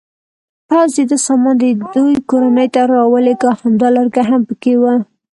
پوځ د ده سامان د دوی کورنۍ ته راولېږه، همدا لرګی هم پکې و.